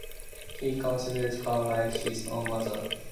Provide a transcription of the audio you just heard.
He considered her like his own mother'.